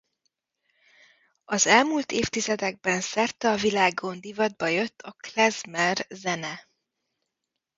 Az elmúlt évtizedekben szerte a világon divatba jött a klezmer-zene.